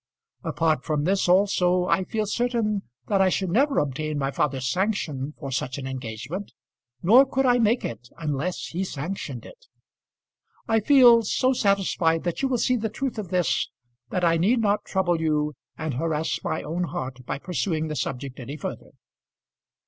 Apart from this, also, I feel certain that I should never obtain my father's sanction for such an engagement, nor could I make it, unless he sanctioned it. I feel so satisfied that you will see the truth of this, that I need not trouble you, and harass my own heart by pursuing the subject any further.